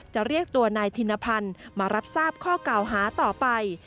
จะเรียกตัวนายธินพันธ์มารับทราบข้อเก่าหาต่อไป